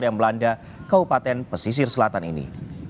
yang melanda kabupaten pesisir selatan ini